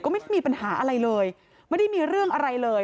ไม่ได้มีปัญหาอะไรเลยไม่ได้มีเรื่องอะไรเลย